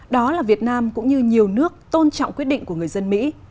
đó là việt nam cũng như nhiều nước tôn trọng quyết định của người dân mỹ